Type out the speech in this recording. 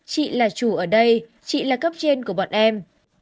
chị là chủ ở đây chị là cấp trên của bọn em